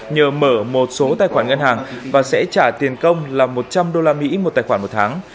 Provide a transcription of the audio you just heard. nhờ mở một số tài khoản ngân hàng và sẽ trả tiền công là một trăm linh usd một tài khoản một tháng